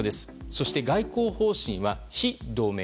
そして外交方針は非同盟。